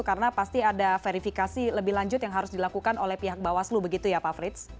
karena pasti ada verifikasi lebih lanjut yang harus dilakukan oleh pihak bawah selu begitu ya pak frits